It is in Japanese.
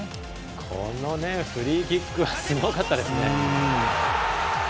このフリーキックはすごかったですね。